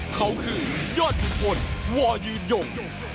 เขาคือยอดขุมพลวอยืนยง